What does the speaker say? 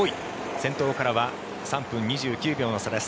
先頭からは３分２９秒の差です。